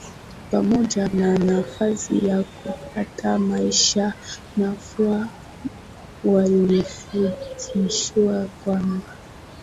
pamoja na nafasi ya kupata maisha nafuu Walifundishwa kwamba